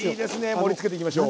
盛りつけていきましょう。